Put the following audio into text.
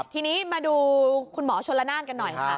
ทีนี้มาดูคุณหมอชนละนานกันหน่อยค่ะ